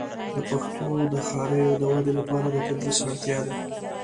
د پښتو د ښاریو د ودې لپاره د تدریس اړتیا ده.